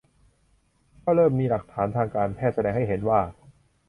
ก็เริ่มมีหลักฐานทางการแพทย์แสดงให้เห็นว่า